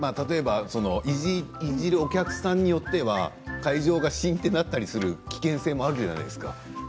いじるお客さんによっては会場がシーンとなったりする危険性はあるじゃないですか。